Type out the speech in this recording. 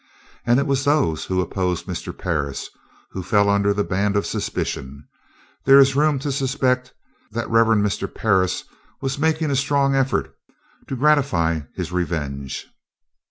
As it was those who opposed Mr. Parris, who fell under the ban of suspicion, there is room to suspect the reverent Mr. Parris with making a strong effort to gratify his revenge.